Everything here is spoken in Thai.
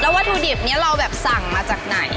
แล้ววัตถุดิบนี้เราแบบสั่งมาจากไหนยังไง